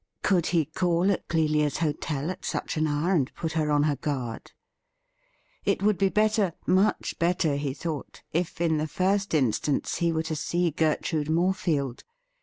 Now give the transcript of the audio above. Could he call at Clelia's hotel at such an hour, and put her on her guard ? It would be better, much better, he thought, if in the first instance he were to see Gertrude Morefield.